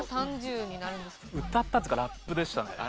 歌ったっていうかラップでしたね。